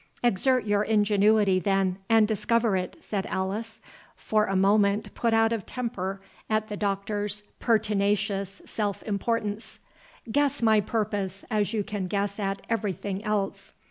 "Exert your ingenuity, then, and discover it," said Alice—for a moment put out of temper at the Doctor's pertinacious self importance—"Guess my purpose, as you can guess at every thing else.